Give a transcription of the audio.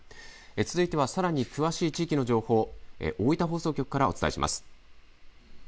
続いては、さらに詳しい地域の情報を大分放送局からお伝えします。